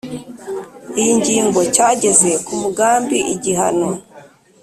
iyi ngingo cyageze ku mugambi igihano